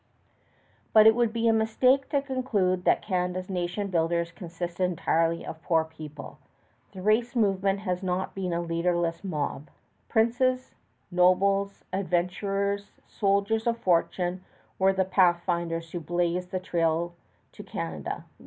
But it would be a mistake to conclude that Canada's nation builders consisted entirely of poor people. The race movement has not been a leaderless mob. Princes, nobles, adventurers, soldiers of fortune, were the pathfinders who blazed the trail to Canada.